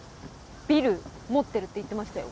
ビル持ってるって言ってましたよ。